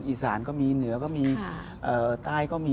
อีสานก็มีเหนือก็มีใต้ก็มี